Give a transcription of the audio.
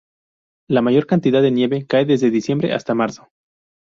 La mayor cantidad de nieve cae desde diciembre hasta marzo.